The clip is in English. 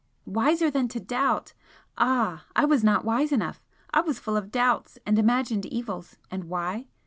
'Wiser than to doubt'! Ah, I was not wise enough! I was full of doubts and imagined evils and why?